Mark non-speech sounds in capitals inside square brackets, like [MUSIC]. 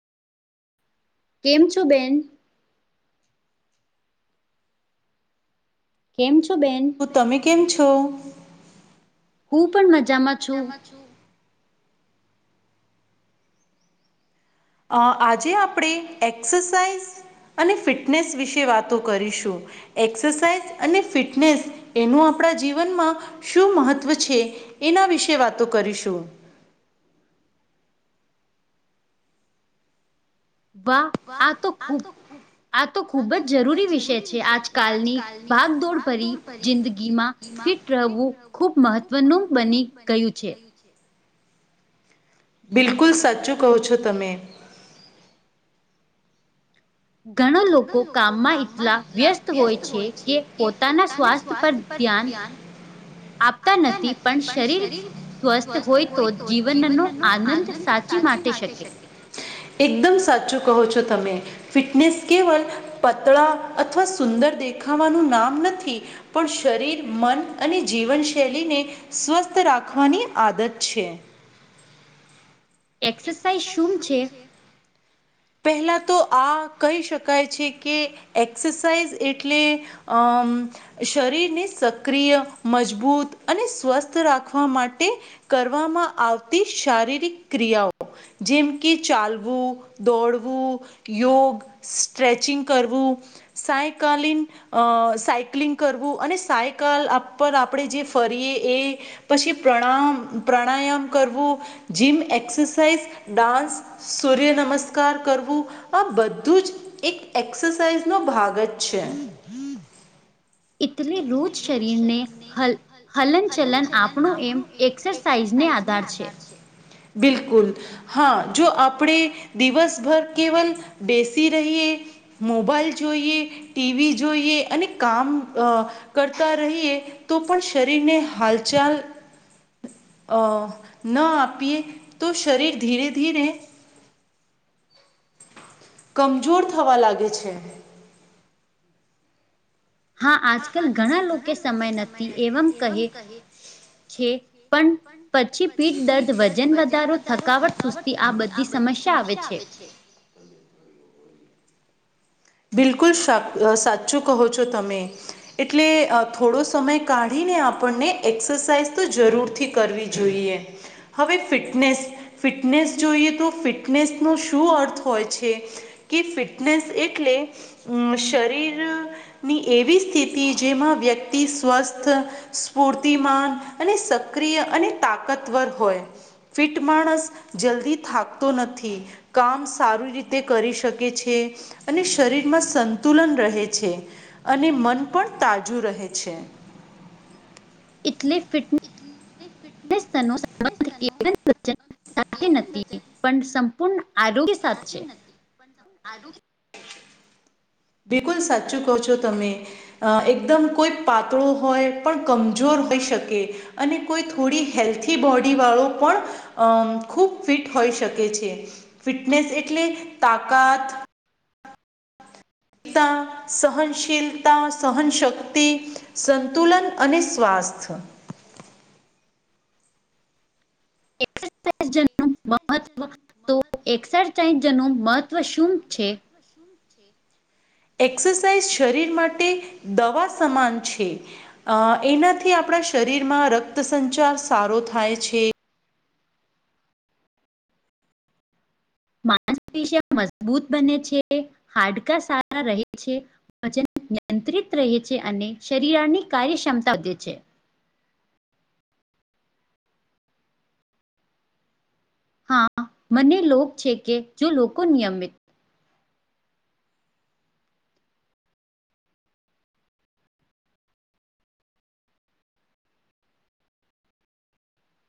કેમ છો બેન કેમ છો બેન તમે કેમ છો હું પણ મજામાં જમાં છું અ આજે આપણે એક્સરસાઇઝ અને ફિટનેસ વિશે વાતો કરીશું. એક્સરસાઇઝ અને ફિટનેસ એનું આપણા જીવનમાં શું મહત્ત્વ છે એના વિશે વાતો કરીશું. વાહ વા આ તો ખૂબ આ તો ખૂબ જ જરૂરી વિષય છે આજકાલની ભાગદોડ ભરી જિંદગીમાં [UNINTELLIGIBLE] ખુબ મહત્વનું બની ગયું છે. બિલકુલ સાચું કહો છો તમે. ઘણા લોકો કામમાં એટલા વ્યસ્ત હોય છે કે પોતાના સ્વાસ્થ્ય પર પર ધ્યાન આપતા નથી પણ શરીર સ્વસ્થ હોય તો જીવનનો આનંદ સાચી માટે શકે. એકદમ સાચું કહો છો તમે ફિટનેસ કેવલ પતળા અથવા સુંદર દેખાવાનું નામ નથી. પણ શરીર, મન અને જીવન શૈલીને. સ્વસ્થ રાખવાની આદત છે. એક્સરસાાઈઝ શું છે? પહેલાં તો આ કહી શકાય છે કે એક્સરસાઇઝ એટલે અમ. શરીરને સક્રિય, મજબૂત અને સ્વસ્થ રાખવા માટે. કરવામાં આવતી શારીરિક ક્રિયાઓ. જેમ કે ચાલવું, દોડવું, યોગ, સ્ટ્રેચિંગ કરવું, સાયકાલીન, અ સાયક્લિંગ કરવું અને સાયકલ પર આપણે જે ફરીએ એ. પછી પ્રણમ, પ્રાણાયામ કરવું, જીમ, એક્સરસાઇઝ ડાન્સ, સૂર્ય નમસ્કાર કરવું આ બધું જ એક એક્સરસાાઈઝ નો ભાગ જ છે. એટલી રોજ શરીરને હલ હલન ચલન આપણું એમ એક્સરસાઇઝ ને આધાર છે. બિલકુલ. હા જો આપણે દિવસભર કેવલ બેસી રહીએ. મોબાઈલ જોઈએ, ટીવી જોઈએ અને કામ કરતા રહીએ. તો પણ શરીરને હાલચાલ અ ન આપીએ. શરીર ધીરે ધીરે કમજોર થવા લાગે છે. હા આજકાલ ઘણા લોકો સમય નથી એવમ કહે. છે પણ પછી પીઠ દર્દ, વજન વધારો, થકાવટ તી આ બધી સમસ્યા આવે છે. બિલકુલ સા સાચું કહો છો તમે. એટલે થોડો સમય કાઢીને આપણને એક્સરસાઇઝ તો જરૂરથી કરવી જોઈએ. હવે ફિટનેસ ફિટનેસ જોઈએ તો ફિટનેસનો શું અર્થ હોય છે? કે ફિટનેસ એટલે શરીર ની એવી સ્થિતિ જેમાં વ્યક્તિ સ્વસ્થ સ્ફૂર્તિમાન અને સક્રિય અને તાકતવર હોય. ફિટ માણસ જલ્દી થાકતો નથી. કામ સારું રીતે કરી શકે છે. અને શરીરમાં સંતુલન રહે છે અને મન પણ તાજું રહે છે. એટલે ફિટને ફિટનેસ અનુસાર ને [UNINTELLIGIBLE] પણ સંપૂર્ણ આર સાચી નથી પણ આરુ બિલકુલ સાચું કહો છો તમે. હા એકદમ કોઈ પાતળો હોય પણ કમજોર હોઈ શકે. અને કોઈ થોડી હેલ્થી બોડી વાળો પણ અ ખૂબ ફિટ હોઈ શકે છે ફિટનેસ એટલે તાકાત તા સહનશીલતા સહનશક્તિ સંતુલન અને સ્વાસ્થ મહત્વ તો એક્સરસાઇઝનું મહત્વ શું છે? શું છે? એક્સરસાઇઝ શરીર માટે દવા સમાન છે. અ એનાથી આપણા શરીરમાં રક્ત સંચાર સારો થાય છે. માસપેશીયા મજબૂત બને છે હાડકા સારા રહે છે. વજન નિયંત્રિત રહે છે અને શરીરાની કાર્યક્ષમતા વધે છે. હા મને લોક છે કે જો લોકો નિયમિત